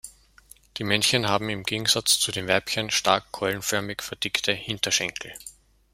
Die Männchen haben im Gegensatz zu den Weibchen stark keulenförmig verdickte Hinterschenkel.